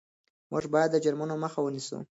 موږ باید د جرمونو مخه ونیسو.